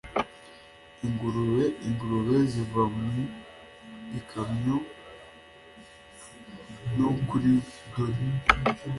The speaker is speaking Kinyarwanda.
ingurube ingurube ziva mu gikamyo no kuri dolly